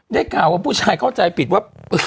ได้ข่าวว่าผู้ชายเข้าใจผิดว่า